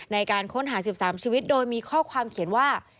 ในการค้นหา๑๓ชีวิตโดยมีข้อความเขียนว่า